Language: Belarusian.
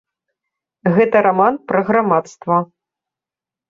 Гэта раман пра грамадства.